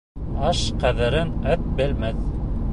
Аш ҡәҙерен эт белмәҫ.